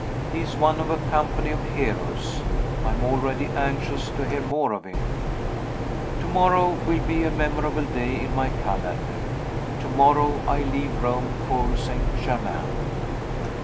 He is one of a company of heroes. I am already anxious to hear more of him. To morrow will be a memorable day in my calendar. To morrow I leave Rome for St. Germain.